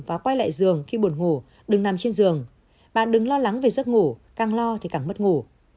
và quay lại giường khi buồn ngủ đừng nằm trên giường bà đứng lo lắng về giấc ngủ càng lo thì càng mất ngủ